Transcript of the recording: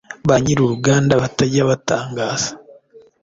ba nyir’uruganda batajya batangaza .